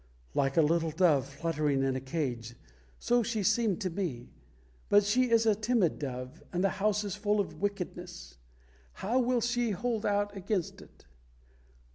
"Like a little dove fluttering in a cage, so she seemed to me. But she is a timid dove, and the house is full of wickedness. How will she hold out against it?